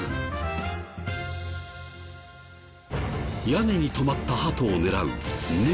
屋根に止まったハトを狙う猫。